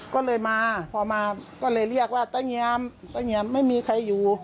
ก็เลยมาพอมาก็เลยเรียกว่าตะเงียมตะเงียมไม่มีใครอยู่